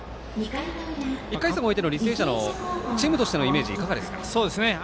１回戦を終えての履正社のチームとしてのイメージいかがですか。